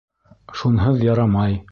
Шунһыҙ ярамай.